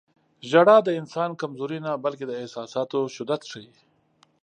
• ژړا د انسان کمزوري نه، بلکې د احساساتو شدت ښيي.